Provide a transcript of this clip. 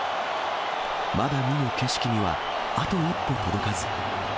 まだ見ぬ景色には、あと一歩届かず。